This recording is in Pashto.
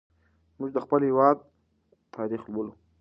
موږ د خپل هېواد تاریخ لولو.